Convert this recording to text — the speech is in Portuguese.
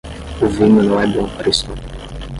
O vinho não é bom para o estômago.